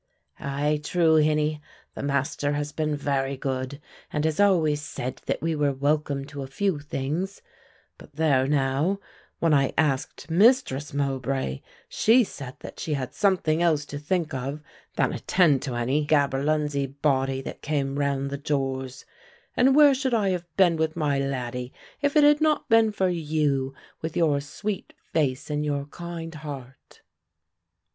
"Ay, true, hinnie, the Master has been very good and has always said that we were welcome to a few things, but, there now, when I asked Mistress Mowbray, she said that she had something else to think of than attend to any gaberlunzie body that came round the doors. And where should I have been with my laddie if it had not been for you with your sweet face and your kind heart?"